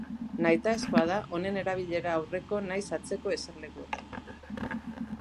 Nahitaezkoa da honen erabilera aurreko nahiz atzeko eserlekuetan.